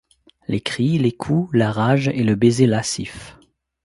Les cris, les coups, la rage et le baiser lascif